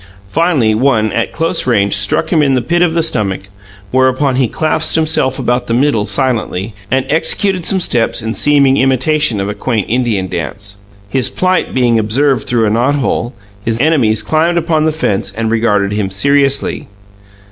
Finally, one, at close range, struck him in the pit of the stomach, whereupon he clasped himself about the middle silently, and executed some steps in seeming imitation of a quaint Indian dance. His plight being observed through a knothole, his enemies climbed upon the fence and regarded him seriously.